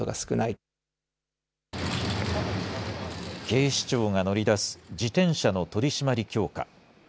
警視庁が乗り出す自転車の取締り強化。